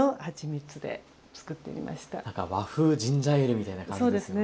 和風ジンジャーエールみたいな感じですね。